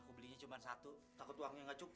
aku belinya cuma satu takut uangnya nggak cukup